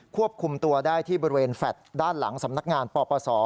ควบคุมตัวได้ที่บริเวณแฟลต์ด้านหลังสำนักงานปปศ